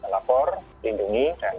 lapor lindungi dan